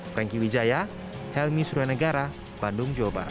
franky wijaya helmy surianegara bandung jawa barat